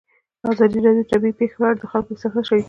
ازادي راډیو د طبیعي پېښې په اړه د خلکو احساسات شریک کړي.